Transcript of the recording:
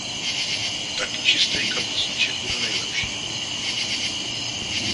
Ták, čistej kapesníček bude nejlepší.